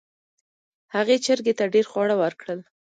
هغې چرګې ته ډیر خواړه ورکړل.